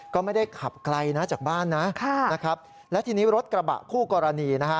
ก็ไม่ได้ขับไกลนะจากบ้านนะค่ะนะครับและทีนี้รถกระบะคู่กรณีนะฮะ